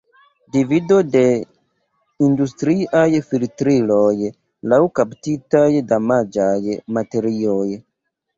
Divido de industriaj filtriloj laŭ kaptitaj damaĝaj materioj.